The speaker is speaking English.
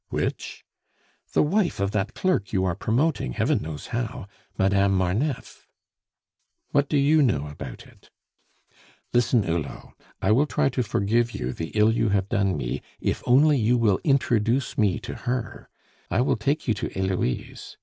"Which?" "The wife of that clerk you are promoting, heaven knows how! Madame Marneffe." "What do you know about it?" "Listen, Hulot; I will try to forgive you the ill you have done me if only you will introduce me to her I will take you to Heloise.